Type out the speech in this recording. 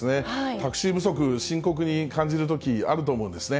タクシー不足、深刻に感じるときあると思うんですね。